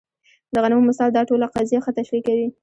د غنمو مثال دا ټوله قضیه ښه تشریح کوي.